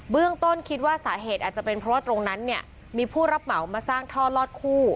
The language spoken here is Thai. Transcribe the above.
ต้นคิดว่าสาเหตุอาจจะเป็นเพราะว่าตรงนั้นเนี่ยมีผู้รับเหมามาสร้างท่อลอดคู่